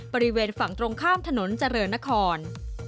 บริเวณฝั่งตรงข้ามถนนเจริญนคร